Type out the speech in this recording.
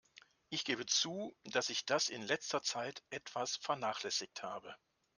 Ich gebe zu, dass ich das in letzter Zeit etwas vernachlässigt habe.